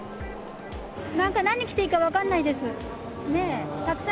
なんか何着ていいか分かんないんです。